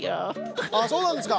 あっそうなんですか！